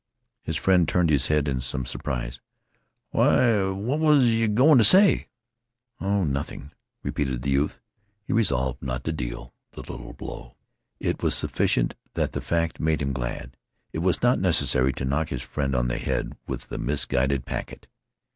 His friend turned his head in some surprise, "Why, what was yeh goin' t' say?" "Oh, nothing," repeated the youth. He resolved not to deal the little blow. It was sufficient that the fact made him glad. It was not necessary to knock his friend on the head with the misguided packet.